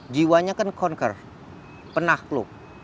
jiwanya kan conquer penakluk